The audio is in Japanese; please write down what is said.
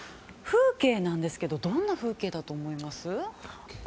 風景なんですがどんな風景だと思います？